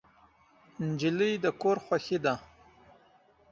نجلۍ د کور خوښي ده.